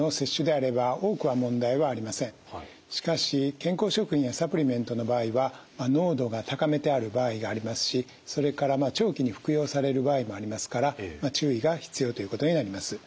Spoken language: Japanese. しかし健康食品やサプリメントの場合は濃度が高めてある場合がありますしそれから長期に服用される場合もありますから注意が必要ということになります。